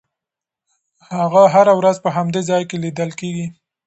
هغه هره ورځ په همدې ځای کې لیدل کېږي.